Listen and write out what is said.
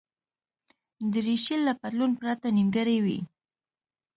دریشي له پتلون پرته نیمګړې وي.